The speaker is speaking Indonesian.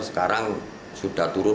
sekarang sudah turun